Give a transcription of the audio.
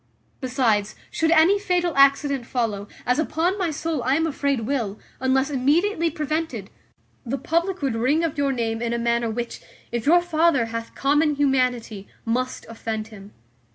Besides, should any fatal accident follow, as upon my soul I am afraid will, unless immediately prevented, the public would ring of your name in a manner which, if your father hath common humanity, must offend him.